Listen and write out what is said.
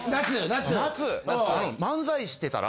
夏漫才してたら。